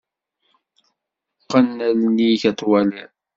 Qqen allen-ik ad twaliḍ.